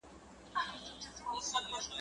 مريى کور خوابدی سو، پر بېبان ئې غوړاسکي نه خوړلې.